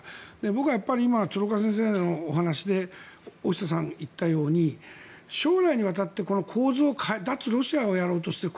僕は今、鶴岡先生のお話で大下さん、言ったように将来にわたってこの構図脱ロシアをやろうとしている。